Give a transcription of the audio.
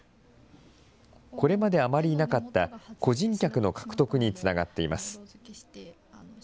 これまであまりいなかった個人客の獲得につながっています。